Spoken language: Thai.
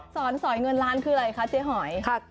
สอยเงินล้านคืออะไรคะเจ๊หอย